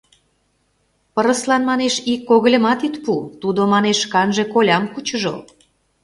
— Пырыслан, манеш, ик когыльымат ит пу, тудо, манеш, шканже колям кучыжо.